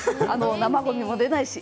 生ごみも出ないし